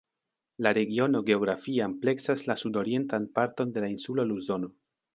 La regiono geografie ampleksas la sudorientan parton de la insulo Luzono.